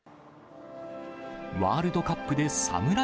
ワールドカップでサムライ